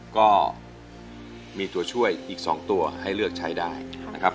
ก็มีตัวช่วยอีก๒ตัวให้เลือกใช้ได้นะครับ